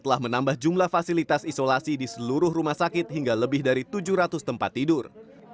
telah menambah jumlah fasilitas isolasi di seluruh rumah sakit hingga lebih dari tujuh ratus tempat tidur